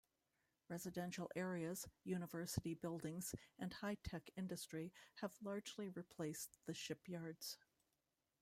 Residential areas, university buildings and high tech industry have largely replaced the shipyards.